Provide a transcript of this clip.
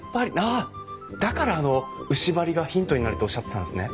ああだからあの牛梁がヒントになるとおっしゃってたんですね。